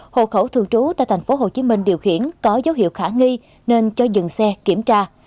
hộ khẩu thường trú tại tp hồ chí minh điều khiển có dấu hiệu khả nghi nên cho dựng xe kiểm tra